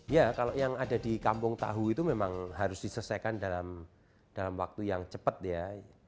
ya kalau yang ada di kampung tahu itu memang harus diselesaikan dalam waktu yang cepat ya